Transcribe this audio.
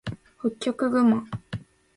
ホッキョクグマ